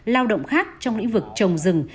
lao động khác trong lĩnh vực trồng rừng